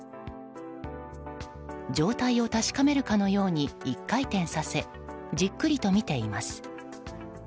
状態を確かめるかのように１回転させじっくりと見ています。